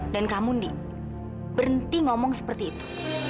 dan kamu indy berhenti ngomong seperti itu